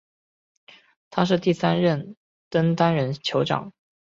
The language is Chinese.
他是第三任登丹人酋长。